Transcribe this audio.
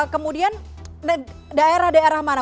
kemudian daerah daerah mana